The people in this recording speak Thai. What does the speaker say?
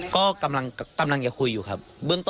ก็กำลังจะคุยอยู่ครับ